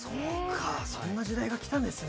そんな時代が来たんですね。